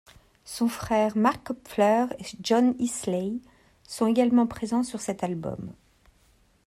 Son frère Mark Knopfler et John Illsley sont également présents sur cet album.